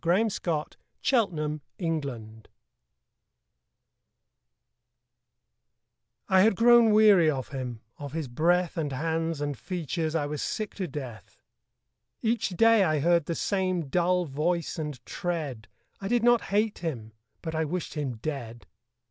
THOU SHALT NOT KILL I had grown weary of him; of his breath And hands and features I was sick to death. Each day I heard the same dull voice and tread; I did not hate him: but I wished him dead.